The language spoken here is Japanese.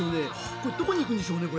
これどこに行くんでしょうね。